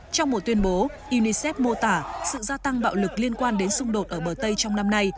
trong một tuyên bố unicef mô tả sự gia tăng bạo lực liên quan đến xung đột ở bờ tây trong năm nay